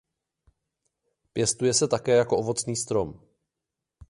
Pěstuje se také jako ovocný strom.